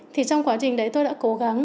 thì trong quá trình đấy tôi đã cố gắng